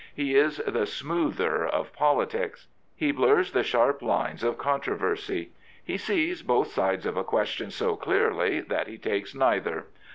He is the smoother " of politics. He blurs the sharp lines of controversy. He sees both sides of a question so clearly that he takes neither.